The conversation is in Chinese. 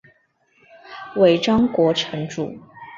尾张国城主。